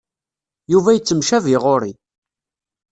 Yuba yettemcabi ɣur-i.